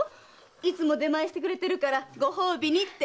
いつも出前してくれてるからご褒美にって。